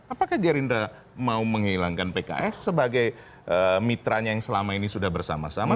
apakah gerindra mau menghilangkan pks sebagai mitranya yang selama ini sudah bersama sama